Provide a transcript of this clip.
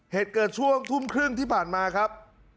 เหตุเกิดช่วงทุ่มครึ่งที่ผ่านมาครับ